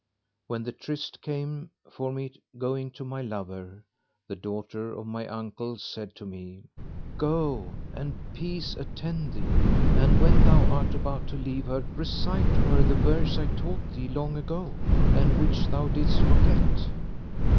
When the tryst time came for my going to my lover, the daughter of my uncle said to me, "Go, and peace attend thee; and when thou art about to leave her, recite to her the verse I taught thee long ago and which thou didst forget."